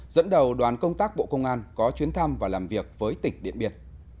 dẫn đầu đoàn công tác bộ công an có chuyến thăm và làm việc với tỉnh điện biên